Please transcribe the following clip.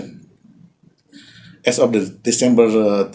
pada akhir desember dua ribu dua puluh satu